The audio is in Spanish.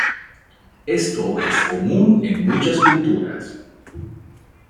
Esto es común en muchas culturas.